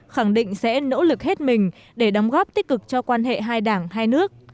khẳng định sẽ nỗ lực hết mình để đóng góp tích cực cho quan hệ hai đảng hai nước